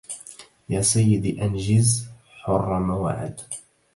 يا سيدي أنجز حر ما وعد